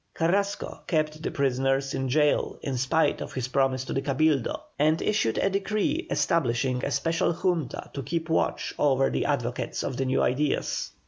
Carrasco kept the prisoners in gaol in spite of his promise to the Cabildo, and issued a decree establishing a special Junta to keep watch over the advocates of the new ideas.